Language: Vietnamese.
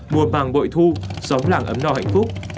mùa vàng bội thu gióm làng ấm no hạnh phúc